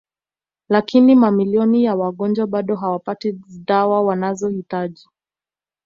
Lakini mamilioni ya wagonjwa bado hawapati dawa wanazohitaji